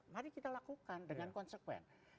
mari kita lakukan dengan konsekuensi